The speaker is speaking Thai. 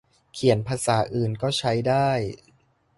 เขียนภาษาอื่นก็ใช้ได้